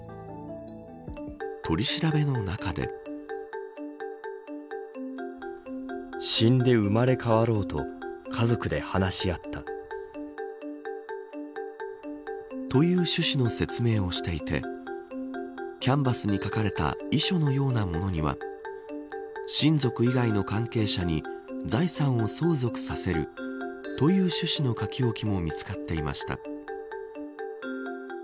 取り調べの中で。という趣旨の説明をしていてキャンバスに書かれた遺書のようなものには親族以外の関係者に財産を相続させるという趣旨の書き置きも見つかっていました。